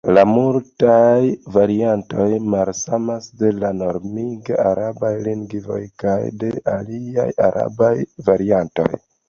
La multaj variantoj malsamas de la normiga araba lingvo kaj de aliaj arabaj variantoj.